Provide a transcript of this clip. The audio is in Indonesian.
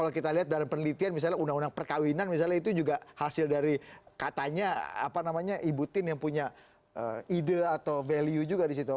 kalau kita lihat dalam penelitian misalnya undang undang perkawinan misalnya itu juga hasil dari katanya apa namanya ibu tin yang punya ide atau value juga di situ